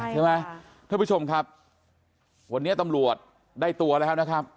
ท่านผู้ชมครับวันนี้ตำรวจได้ตัวแล้วนะครับ